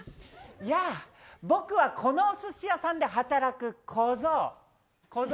やあ、僕はこのお寿司屋さんで働く小僧！